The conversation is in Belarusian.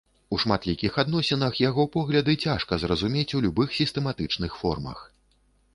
У шматлікіх адносінах яго погляды цяжка зразумець у любых сістэматычных формах.